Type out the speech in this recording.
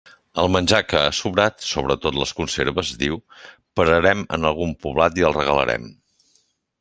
El menjar que ha sobrat, sobretot les conserves, diu, pararem en algun poblat i el regalarem.